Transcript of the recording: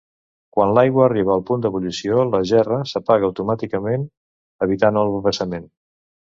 Quan l'aigua arriba al punt d'ebullició, la gerra s'apaga automàticament evitant el vessament.